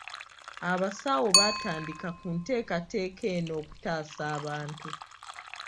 Abasawo banditandika ku nteekateeka eno okutaasa abantu.